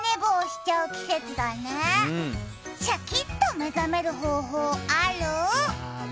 しゃきっと目覚める方法ある？